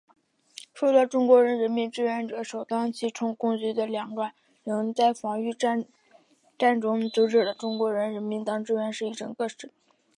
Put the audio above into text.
受到中国人民志愿军首当其冲攻击的两个营在防御战中阻止了中国人民志愿军一整个师。